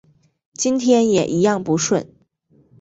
今天也一样不顺